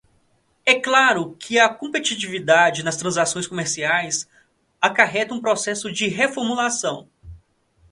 É claro que a competitividade nas transações comerciais acarreta um processo de reformulação